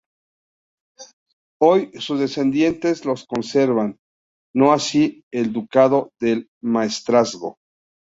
Hoy, sus descendientes los conservan, no así el Ducado del Maestrazgo.